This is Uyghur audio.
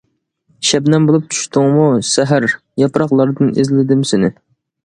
شەبنەم بولۇپ چۈشتۈڭمۇ سەھەر، ياپراقلاردىن ئىزلىدىم سېنى.